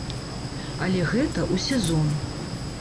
Але гэта ў сезон.